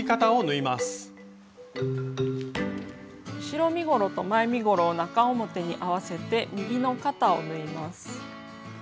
後ろ身ごろと前身ごろを中表に合わせて右の肩を縫います。